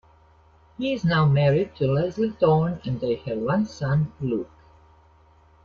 He is now married to Lesley Thorne and they have one son, Luke.